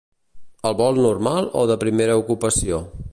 El vol normal o de primera ocupació?